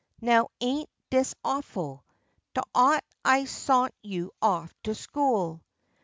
Now, ain't dis awful! T'ought I sont you off to school.